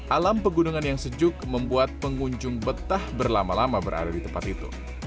alam pegunungan yang sejuk membuat pengunjung betah berlama lama berada di tempat itu